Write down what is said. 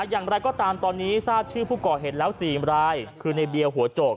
อย่างไรก็ตามตอนนี้ทราบชื่อผู้ก่อเหตุแล้ว๔รายคือในเบียร์หัวโจก